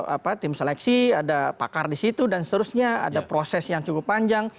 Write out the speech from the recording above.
ada tim seleksi ada pakar di situ dan seterusnya ada proses yang cukup panjang